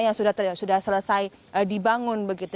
yang sudah selesai dibangun begitu